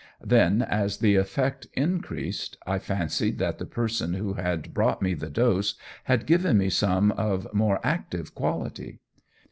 Then, as the effect increased, I fancied that the person who had brought me the dose had given me some of more active quality.